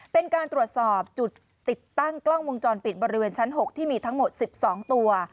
เป็นการตรวจสอบจุดติดตั้งกล้องวงจรปิดบริเวณชั้น๖ที่มีทั้งหมด๑๒ตัว